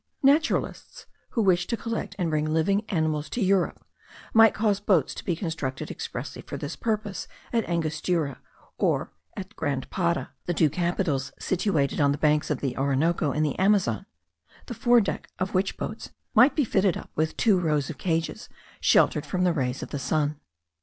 Naturalists, who wish to collect and bring living animals to Europe, might cause boats to be constructed expressly for this purpose at Angostura, or at Grand Para, the two capitals situated on the banks of the Orinoco and the Amazon, the fore deck of which boats might be fitted up with two rows of cages sheltered from the rays of the sun.